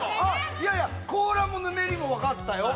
いやいや「こうら」も「ぬめり」も分かったよ